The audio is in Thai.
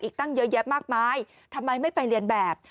ตั้งเยอะแยะมากมายทำไมไม่ไปเรียนแบบ